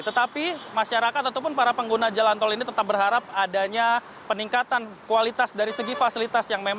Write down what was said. tetapi masyarakat ataupun para pengguna jalan tol ini tetap berharap adanya peningkatan kualitas dari segi fasilitas